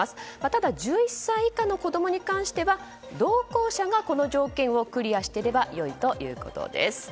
ただ１１歳以下の子供に対しては同行者がこの条件をクリアしていればよいということです。